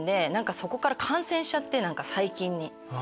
そこから感染しちゃって細菌に。